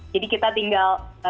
jadi kita tinggal